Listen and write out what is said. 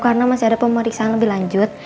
karena masih ada pemeriksaan lebih lanjut